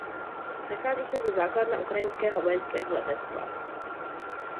Nachází se zde základna ukrajinského vojenského letectva.